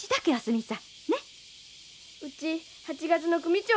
うち８月の組長なんよ。